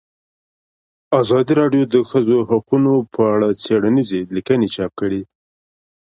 ازادي راډیو د د ښځو حقونه په اړه څېړنیزې لیکنې چاپ کړي.